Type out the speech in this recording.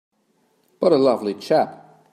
But a lovely chap!